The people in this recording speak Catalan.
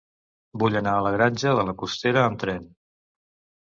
Vull anar a la Granja de la Costera amb tren.